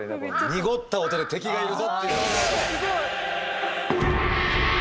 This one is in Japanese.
濁った音で敵がいるぞっていう。